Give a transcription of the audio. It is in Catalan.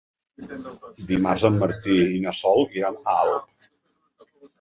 Dimarts en Martí i na Sol iran a Alp.